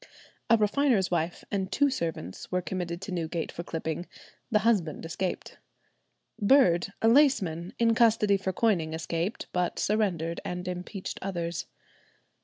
A refiner's wife and two servants were committed to Newgate for clipping; the husband escaped. Bird, a laceman, in custody for coining, escaped; but surrendered and impeached others.